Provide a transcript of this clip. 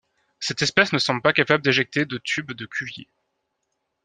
Cette espèce ne semble pas capable d'éjecter de tubes de Cuvier.